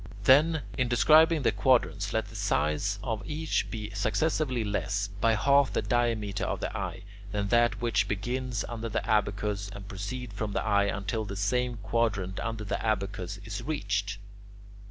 Then, in describing the quadrants, let the size of each be successively less, by half the diameter of the eye, than that which begins under the abacus, and proceed from the eye until that same quadrant under the abacus is reached.